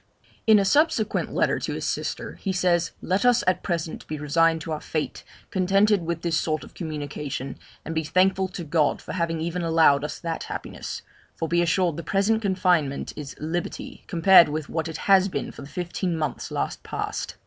In a subsequent letter to his sister, he says, 'Let us at present be resigned to our fate, contented with this sort of communication, and be thankful to God for having even allowed us that happiness for be assured the present confinement is liberty, compared with what it has been for the fifteen months last past.'